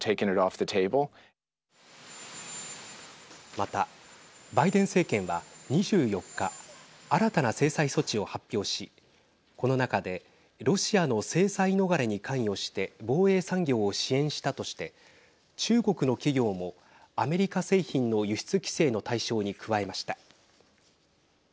また、バイデン政権は２４日新たな制裁措置を発表しこの中でロシアの制裁逃れに関与して防衛産業を支援したとして中国の企業もアメリカ製品の輸出規制の対象に加えました。